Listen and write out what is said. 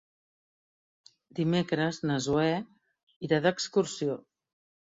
Dimecres na Zoè irà d'excursió.